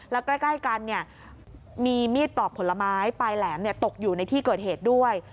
แล้วใกล้กันมีมีดปลอกผลไม้ปลายแหลมตกอยู่ในที่เกิดเหตุด้วย